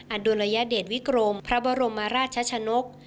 อัตโดรยเดชวิกรมพระบรมราชชะโนก